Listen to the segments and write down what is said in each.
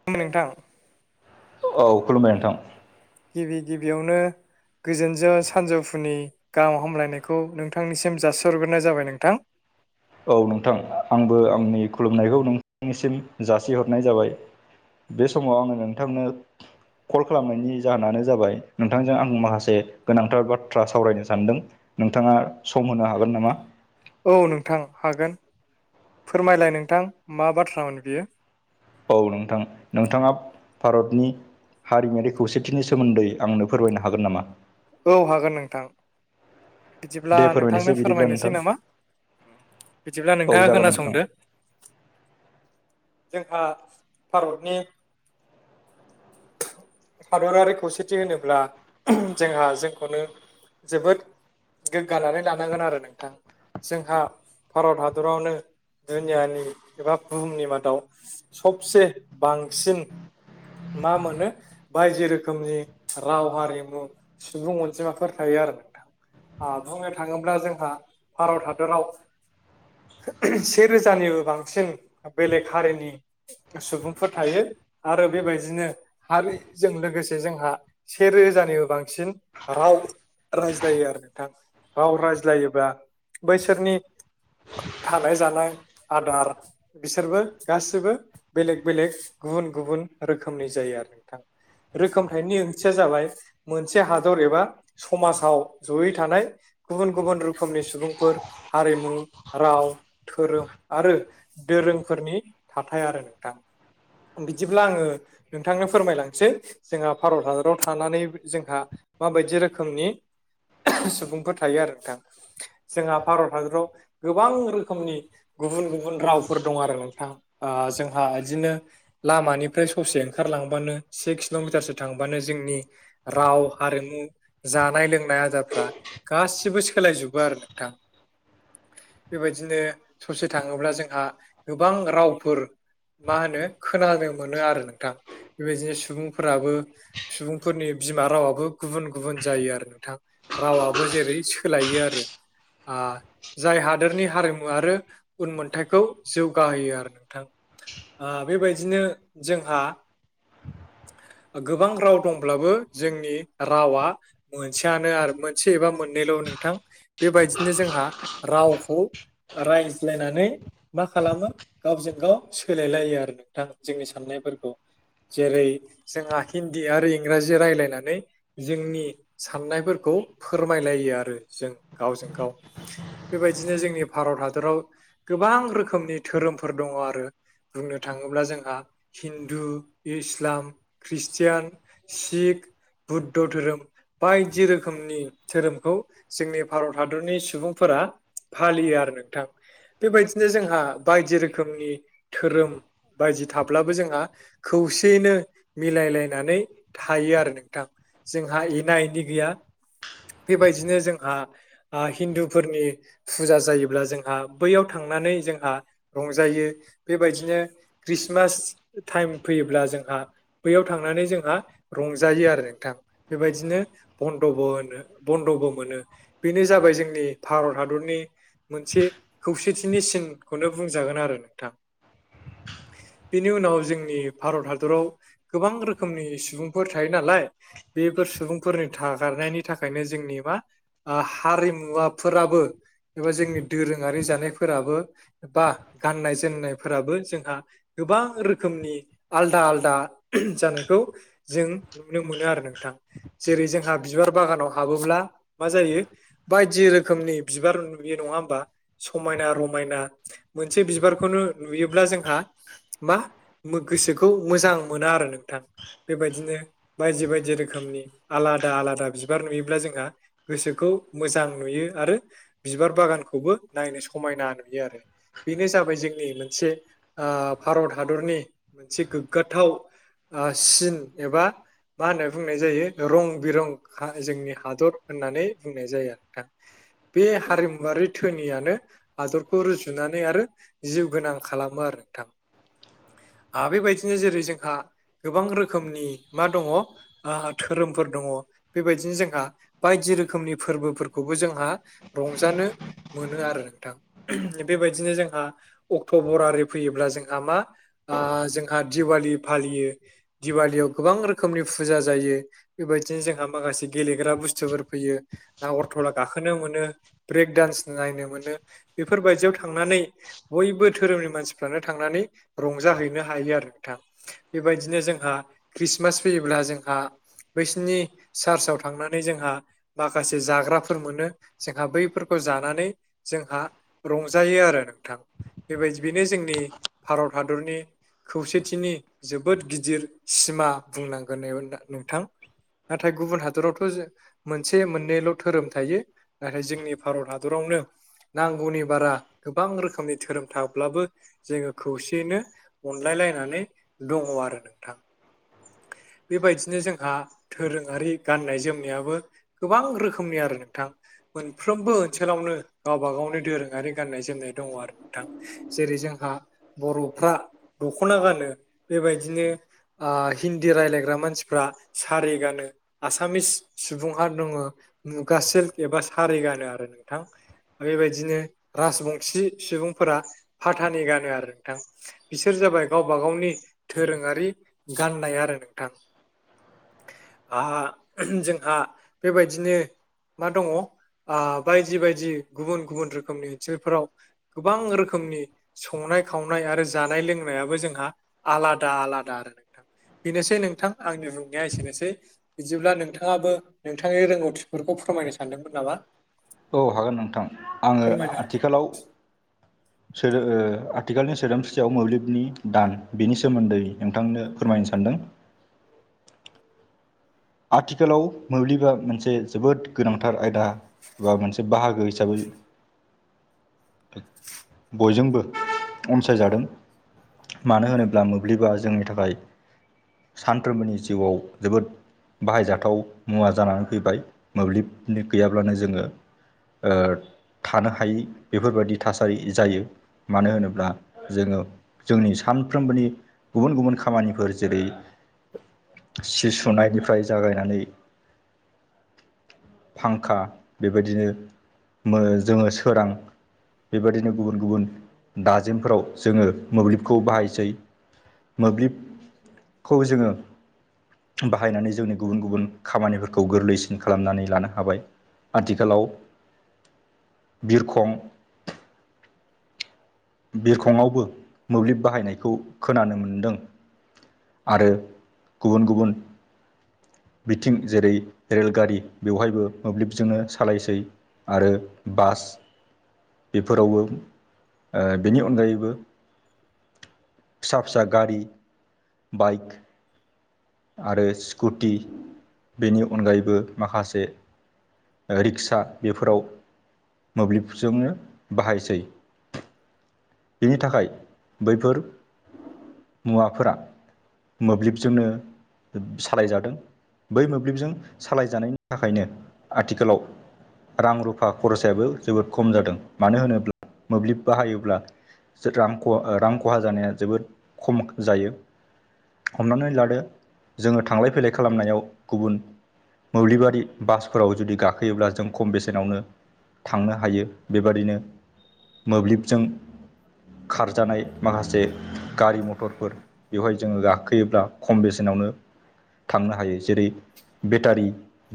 [unintelligible] उम नोंथां औ खुलुमबाय नोंथां गिबि गिबियावनो गोजोनजों सानजौफुनि गाहाम हामलायनायखौ नोंथांनिसिम जासि हरग्रोनाय जाबाय नोंथां औ नोंथां आंबो आंनि खुलुमनायखौ नोंथांनिसिम जासिहरनाय जाबाय बे समाव आङो नोंथांनो कल खालामनायनि जाहोनानो जाबाय नोंथांजों आं माखासे गोनांथार बाथ्रा सावरायनो सानदों नोंथाङा सम होनो हागोन नामा औ नोंथां हागोन फोरमायलाय नोंथां मा बाथ्रामोन बियो औ नोंथां नोंथाङा भारतनि हारिमायारि खौसेथिनि सोमोन्दै आंनो फोरमायनो हागोन नामा औ हागोन नोंथां बिदिब्ला दे नोंथांनो फोरमायनोसै बिदिब्ला नोंथां फोरमायनोसै नामा बिदिब्ला औ नोंथाङा जागोन नोंथां खोनासंदो जोंहा भारतनि हादरारि खौसेथि होनोब्ला जोंहा जोंखौनो जोबोद गोग्गानानै लानांगोन आरो नोंथां जोंहा भारत हादरावनो दुनियानि एबा बुहुमनि मादाव सबसे बांसिन मा मोनो बायदि रोखोमनि राव हारिमु सुबुं अनजिमाफोर थायो आरो नोंथां आ बुंनो थाङोब्ला जोंहा भारत हादोराव से रोजानिबो बांसिन बेलेग हारिनि सुबुंफोर थायो आरो बेबाय बिदिनो हारिजों लोगोसे जोंहा सेे रोजानिबो बांसिन राव रायज्लायो आरो नोंथां राव रायज्लायोबा बैसोरनि थानाय जानाय आदार बिसोरबो गासिबो बेलेग बेलेग गुबुन गुबुन रोखोमनि जायो आरो नोंथां रोखोमथायनि ओंथिया जाबाय मोनसे हादर एबा समाजाव जयै थानाय गुबुन गुबुन रोखोमनि सुबुंफोर हारिमु राव धोरोम आरो दोरोंफोरनि थाथाय आरो नोंथां बिदिब्ला आङो नोंथांनो फोरमायलांसै जोंहा भारत हादराव थानानै जोंहा माबायदि रोखोमनि सुबुंफोर थायो आरो नोंथां जोंहा भारत हादराव गोबां रोखोमनि गुबुन गुबुन रावफोर दं आरो नोंथां जोंहा बिदिनो लामानिफ्राय ससे ओंखारलांबानो से किल'मिटारसो थांबानो जोंनि राव हारिमु जानाय लोंनाय आदारफ्रा गासिबो सोलायजोबो आरो नोंथां बेबायदिनो ससे थाङोब्ला जोंहा गोबां रावफोर मा होनो खोनानो मोनो आरो नोंथां बेबायदिनो सुबुंफोराबो सुबुंफोरनि बिमा रावाबो गुबुन गुबुन जायो आरो नोंथां रावाबो जेरै सोलायो आरो जाय हादोरनि हारिमु आरो उनमोन्थायाइखौ जौगाहोयो आरो नोंथां बेबायदिनो जोंहा गोबां राव दंब्लाबो जोंनि रावा मोनसेयानो आरो मोनसे एबा मोननैल' नोंथां बेबायदिनो जोंहा रावखौ रायज्लायनानै मा खालामो गावजों गाव सोलायलायो आरो नोंथां जोंनि साननायफोरखौ जेरै जोंहा हिन्दी आरो इंराजि रायज्लायनानै जोंनि साननायफोरखौ फोरमायलायो आरो जों गावजों गाव बेबायदिनो जोंनि भारत हादराव गोबां रोखोमनि धोरोमफोर दङ आरो बुंनो थाङोब्ला जोंहा हिन्दु इस्लाम ख्रिस्टियान सिख बुद्ध धोरोम बायदि रोखोमनि धोरोमखौ जोंनि भारत हादरनि सुबुंफोरा फालियो आरो नोंथां बेबायदिनो जोंहा बायदि रोखोमनि धोरोम बायदि थाब्ला बो जोंहा खौसेयैनो मिलायलायनानै थायो आरो नोंथां जोंहा एना एनि गैया बेबायदिनो जोंहा हिन्दुफोरनि फुजा जायोब्ला जोंहा बैयाव थांनानै जोंहा रंजायो बेबायदिनो ख्रिस्टमास टाइम फैयोब्ला जोंहा बैयाव थांनानै जोंहा रंजायो आरो नोंथां बेबायदिनो बन्दबो होनो बन्द'बो मोनो बेनो जाबाय जोंनि भारत हादरनि मोनसे खौसेथिनि सिनखौनो बुंजागोन आरो नोंथां बिनि उनाव जोंनि भारत हादराव गोबां रोखोमनि सुबुंफोर थायो नालाय बेफोर सुबुंफोरनि थागारनायनि थाखायनो जोंनि मा हारिमुवाफोराबो एबा जोंनि दोरोङारि जानायफोराबो बा गाननाय जोमनायफोराबो जोंहा गोबां रोखोम रोखोमनि आलदा आलदा जानायखौ जों नुनो मोनो आरो नोंथां जेरै जोंहा बिबार बागानाव हाबोब्ला मा जायो बायदि रोखोमनि बिबार नुयो नङा होमबा समायना रमायना मोनसे बिबारखौनो नुयोब्ला जोंहा मा मो गोसोखौ मोजां मोना आरो नोंथां बेबायदिनो बायदि बायदि रोखोमनि आलादा आलादा बिबार नुयोब्ला जोंहा गोसोखौ मोजां नुयो आरो बिबार बागानखौबो नायनो समायना नुयो आरो बेनो जाबाय जोंनि ओ मोनसे भारत हादरनि मोनसे गोग्गाथाव ओ सिन एबा मा होनना बुंनाय जायो रं बिरं हा जोंनि हादर होननानै बुंनाय जायो आरो दा बे हारिमुवरारि धोनियानो हादरखौ रुजुनानै आरो जिउ गोनां खालामो आरो नोंथां आरो बेबायदिनो जेरै जोंहा गोबां रोखोमनि मा दङ धोरोमफोर दङ बेबायदिनो जोंहा बायदि रोखोमनि फोरबोफोरखौबो जोंहा रंजानो मोनो आरो नोंथां बेबायदिनो जोंहा अक्ट'भर आरि फैयोब्ला जोंहा मा आ जोंहा दिवाली फालियो दिवालियाव गोबां रोखोमनि फुजा जायो बेबायदिनो जोंहा माखासे गेलेग्रा बुस्थुफोर फैयो नागरथला गाखोनो मोनो ब्रेक दडान्स नायनो मोनो बेफोरबायदियाव थांनानै बयबो धोरोमनि मानसिफ्रानो थांनानै रंजाहैनो हायो आरो नोंथां बेबायदिनो जोंहा ख्रिसमास फैयोब्ला जोंहा बैसिनि सार्चआव थांनानै जोंहा माखासे जाग्राफोर मोनो जोंहा बैफोरखौ जानानै जोंहा रंजायो आरो नोंथां बेबायदि बेनो जोंनि भारत हादरनि खौसेथिनि जोबोद गिदिर सिमा बुंनांगोन नोंथां नाथाय गुबुन हादरावथ' जो मोनसे मोननैल' धोरोम थायो नाथाय जोंनि भारत हादरावनो नांगौनि बारा गोबां रोखोमनि धोरोम थाब्लाबो जोङो खौसे यैनो अनलायलायनानै दङ आरो नोंथां। बेबायदिनो जोंहा दोरोङारि गाननाय जोमनायाबो गोबां रोखोमनि आरो नोंथां। मोनफ्रोमबो ओनसोलावनो गावबा गावनो दोरोङारि गाननाय जोमनाय दङ आरो नोंथां जेरै जोंहा बर'फ्रा दख'ना गानो बेबायदिनो आ हिन्दी राय्लायग्रा मानसिफ्रा सारि गानो आसामिस सुबुंहा दङो मुगा सिल्क एबा सारि गानो आरो नोंथां बेबायदिनो राजबंसि सुबुंफोरा फाथानि गानो आरो नोंथां बिसोर जाबाय गावबा गावनि दोरोङारि गाननाय आरो नोंथां आ जोंहा बेबायदिनो मा दङ आ बायदि बायदि गुबुन गुबुन रोखोमनि ओनसोलफोराव गोबां रोखोमनि संनाय खावनाय आरो जानाय लोंनायाबो जोंहा आलादा आलादा आरो नों बेनोसै नोंथां आंनि बुंनाया एसेनोसै बिदिब्ला नोंथाङाबो नोंथांनि रोंगौथिफोरखौ फोरमायनो सानदोंमोन नामा औ हागोन नोंथां आङो फोरमायना होदो आथिखालाव सो ओ आथिखालनि सोदोमस्रियाव मोब्लिबनि दान बेनि सोमोन्दै नोंथांनो फोरमायनो सानदों आथिखालाव मोब्लिबा मोनसे जोबोद गोनांथार आयदा बा मोनसे बाहागो हिसाबै बयजोंबो अनसायजादों मानो होनोब्ला मोब्लिबा जोंनि थाखाय सानफ्रोमबोनि जिउआव जोबोद बाहायजाथाव मुवा जानानै फैबाय मोब्लिबनि गैयाब्लानो जोङो ओ थानो हायै बेफोरबायदि थासारि जायो मानो होनोब्ला जोङो जोंनि सानफ्रोमबोनि गुबुन गुबुन खामानिफोर जेरै सि सुनायनिफ्राय जागायनानै फांखा बेबायदिनो जोङो सोरां बेबायदिनो गुबुन गुबुन दाजिमफ्राव जोङो मोब्लिबखौ बाहायसै मोब्लिबखौ जोङो बाहायनानै जोंनि गुबुन गुबुन खामानिफोरखौ गोरलैसिन खालामनानै लानो हाबाय आथिखालाव बिरखं बिरखंआवबो मोब्लिब बाहायनायखौ खोनानो मोनदों आरो गुबुन गुबुन बिथिं जेरै रेलगारि बेवहायबो मोब्लिबजोंनो सालायसै आरो बास बेफोरावबो ओ बिनि अनगायैबो फिसा फिसा गारि बाइक आरो स्कुटि बेनि अनगायैबो माखासे रिक्सा बेफोराव मोब्लिबजोंनो बाहायसै बिनि थाखाय बैफोर मुवाफोरा मोब्लिबजोंनो सालायजादों बै मोब्लिबजों सालायजानायनि थाखायनो आथिखालाव रां रुफा खरसायाबो जोबोद खम जादों मानो होनोब्ला मोब्लिब बाहायोब्ला रां रां खहा जानाया जोबोद खम जायो हमनानै लादो जोङो थांलाय फैलाय खालामनायाव गुबुन मोब्लिबारि बासफोराव जुदि गाखोयोब्ला जों खम बेसेनावनो थांनो हायो बेबादिनो मोब्लिबजों खारजानाय माखासे गारि मथरफोर बेवहाय जोङो गाखोयोब्ला खम बेसेनावनो थांनो हायो जेरै बेटारि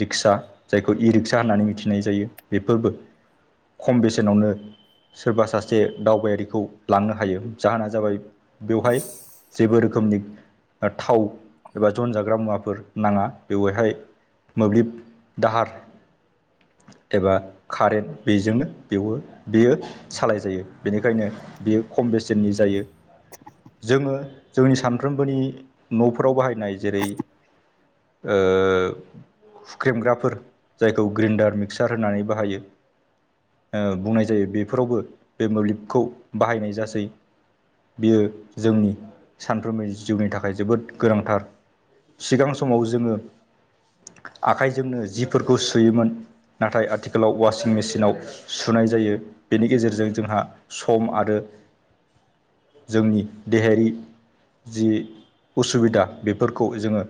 रिक्सा जायखौ इ रिक्सा होननानै मिथिनाय जायो बेफोरबो खम बेसेनावनो सोरबा सासे दावबायारि आं लांनो हायो जाहोना जाबाय बेवहाय जेबो रोखोमनि थाव एबा जन जाग्रा मुवाफोर नाङा बेवहाय मोब्लिब दाहार एबा कारेन्ट बेजोंनो बेवबो बेयो सालाय जायो बेनिखायनो बियो खम बेसेननि जायो जोङो जोंनि सानफ्रोमबोनि न'फोराव बाहायनाय जेरै ओ हुख्रेमग्राफोर जायखौ ग्रेन्डार मिक्सार होनानै बाहायो बुंनाय जायो बेफोरावबो बे मोब्लिबखौ बाहायनाय जासै बियो जोंनि सानफ्रोमबो जिउनि थाखाय जोबोद गोनांथार सिगां समाव जोङो आखाइजोंनो जिफोरखौ सुयोमोन नाथाय आथिखालाव वासिं मेसिनाव सुनाय जायो बेनि गेजेरजों जोंहा सम आरो जोंनि देहायारि जि उसुबिदा बेफोरखौ जोङो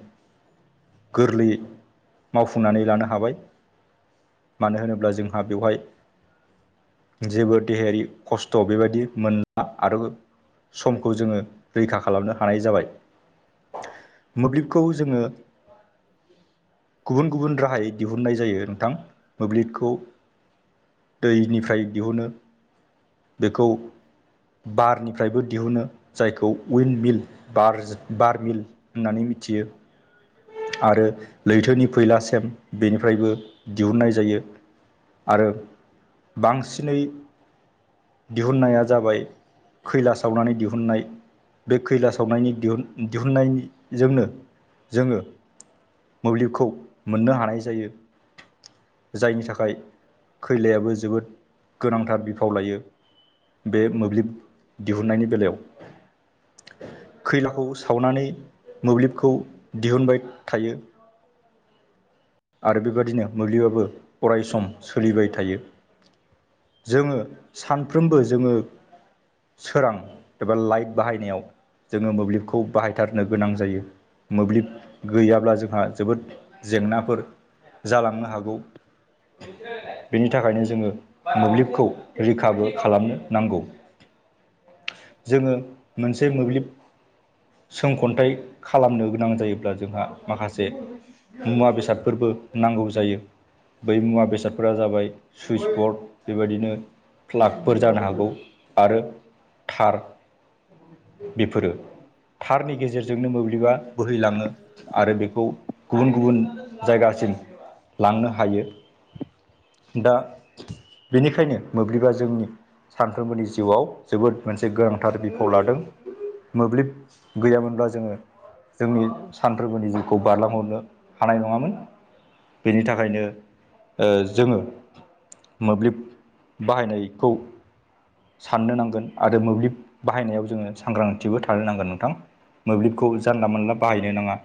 गोरलैयै मावफुंनानै लानो हाबाय मानो होनोब्ला जोंहा बेवहाय जेबो देहायारि खस्थ' थ' बेबायदि मोनला आरो समखौ जोङो रैखा खालामनो हानाय जाबाय मोब्लिबखौ जोङो गुबुन गुबुन राहायै दिहुननाय जायो नोंथां मोब्लिबखौ दैनिफ्राय दिहुनो बेखौ बारनिफ्रायबो दिहुनो जायखौ उिन मिलार बार मिल होननानै मिथियो [inaudible] आरो लैथोनि फैला सेम बेनिफ्रायबो दिहुननाय जायो। आरो बांसिनै दिहुननाया जाबाय खैला सावनानै दिहुननाय बे खैला सावनायनि दिह दिहुननायजोंनो जोङो मोब्लिबखौ मोननो हानाय जायो जायनि थाखाय खैलायाबो जोबोद गोनांथार बिफाव लायो बे मोब्लिब दिहुननायनि बेलायाव खैलाखौ सावनानै मोब्लिबखौ दिहुनबाय थायो आरो बेबादिनो मोब्लिबाबो अराय सम सोलिबाय थायो जोङो सानफ्रोमबो जोङो सोरां एबा लाइट बाहायनायाव जोङो मोब्लिबखौ बाहायथारनो गोनां जायो मोब्लिब गैयाब्ला जोंहा जोबोद जेंनाफोर जालांनो हागौ बेनि थाखायनो जोङो मोब्लिबखौ रैखाबो खालामनो नांगौ। जोङो मोनसे मोब्लिब सोंखन्थाइ खालामनो गोनां जायोब्ला जोंहा माखासे मुवा बेसाद फोरबो नांगौ जायो बै मुवा बेसादफोरा जाबाय सुइस बरड बेबायदिनो प्लागफोर जानो हागौ आरो थार बेफोरो थारनि गेजेरजोंनो मोब्लिबा बोहैलाङो आरो बेखौ गुबुन गुबुन जायगासिम लांनो हायो। दा बेनिखायनो मोब्लिबा जोंनि सानफ्रोमबोनि जिउआव जोबोद मोनसे गोनांथार बिफाव लादों मोब्लिब गैयामोनब्ला जोङो जोंनि सानथ्रोबोनि जिउखौ बारलांहरनो हानाय नङा मोन बेनि थाखायनो ओ जोङो मोब्लिब बाहायनायखौ साननो नांगोन आरो मोब्लिब बाहायनायाव जोङो सांग्रांथिबो थानो नांगोन नोंथां। मोब्लिबखौ जानला मोनानला बाहायनो नाङा